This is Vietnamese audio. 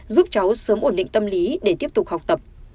giúp cháu sớm ổn định tâm lý để tiếp tục học tập